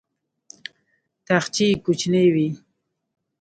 تاخچې یې کوچنۍ وې.